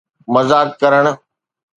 مذاق ڪرڻ